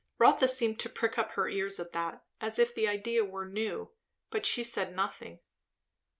Rotha seemed to prick up her ears at that, as if the idea were new, but she said nothing.